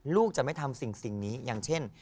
ลูกจะไม่ทำสิ่งนี้อย่างเช่น